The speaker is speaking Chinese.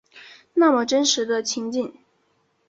那么真实的情景